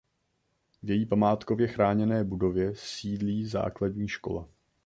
V její památkově chráněné budově sídlí Základní škola.